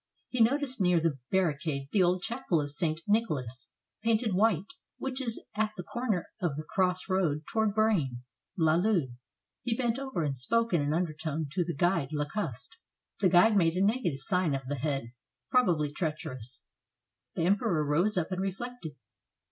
He noticed near that bar ricade the old chapel of St. Nicholas, painted white, which is at the corner of the cross road toward Braine I'Alleud. He bent over and spoke in an undertone to the guide Lacoste. The guide made a negative sign of the head, probably treacherous. The Emperor rose up and reflected.